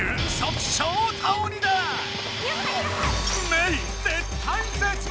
メイ絶体絶命！